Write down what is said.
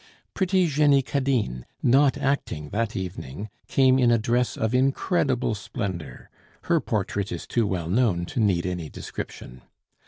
Pretty Jenny Cadine, not acting that evening, came in a dress of incredible splendor; her portrait is too well known to need any description.